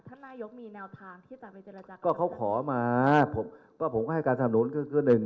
ท่านนายกมีแนวทาง